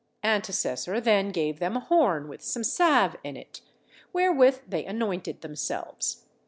Antecessor then gave them a horn with some salve in it, wherewith they anointed themselves.